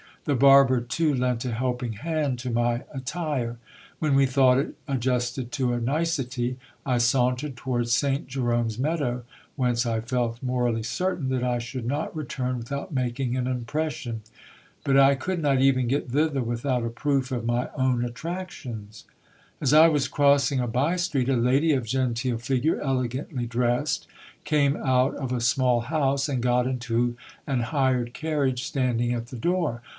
The barber too lent a helping hand to my attire. When we thought it adjusted to a nicety, I sauntered towards Saint Jerome's meadow, whence I felt morally certain that I should not return with out making an impression. But I could not even get thither, without a proof of my own attractions. As I was crossing a bye street, a lady of genteel figure, elegandy dressed, came out of a small house, and got into an hired carriage standing at the door.